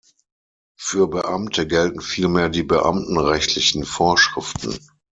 Für Beamte gelten vielmehr die beamtenrechtlichen Vorschriften.